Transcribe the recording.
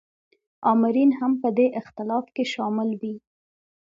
آمرین هم په دې اختلاف کې شامل وي.